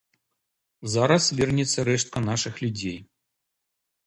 Зараз вернецца рэштка нашых людзей.